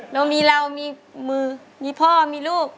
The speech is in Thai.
เรามีเรามีมือมีพ่อมีลูก